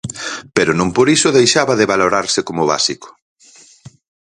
Pero non por iso deixaba de valorarse como básico.